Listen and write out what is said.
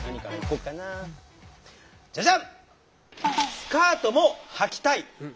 「スカートもはきたい」。